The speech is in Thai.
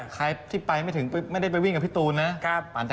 ใครที่ไปไม่ถึงไม่ได้ไปวิ่งกับพี่ตูนนะ